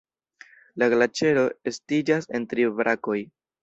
La glaĉero estiĝas en tri brakoj.